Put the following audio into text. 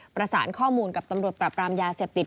ประสานข้อมูลกับตำรวจปรับรามยาเสพติด